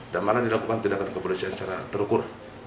dan malah dilakukan tidak keberhasilan secara terukur